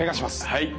はい。